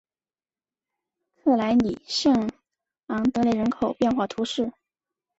克莱里圣昂德雷人口变化图示